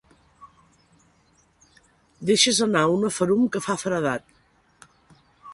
Deixes anar una ferum que fa feredat.